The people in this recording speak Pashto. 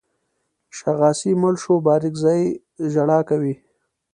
شاغاسي مړ شو بارکزي ژړا کوي.